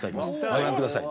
ご覧ください